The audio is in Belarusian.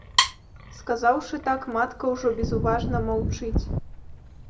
Сказаўшы так, матка ўжо безуважна маўчыць.